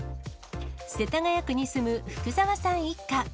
世田谷区に住む福沢さん一家。